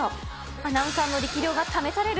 アナウンサーの力量が試される？